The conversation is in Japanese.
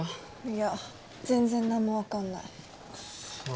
いや全然何も分かんないクッソ